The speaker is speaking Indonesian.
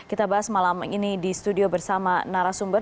kita bahas malam ini di studio bersama narasumber